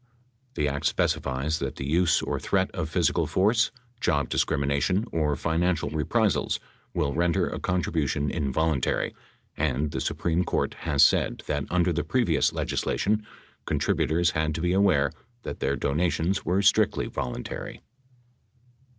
The act specifies that the use or threat of physical force, job discrimination or financial reprisals will render a contribution involuntary, and the Supreme Court has said that under the previous legislation contributors had to be aware that their donations were strictly voluntary.